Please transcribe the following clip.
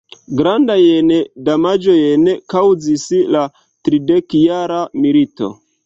Grandajn damaĝojn kaŭzis la Tridekjara milito.